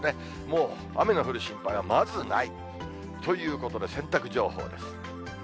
もう、雨の降る心配はまずない、ということで、洗濯情報です。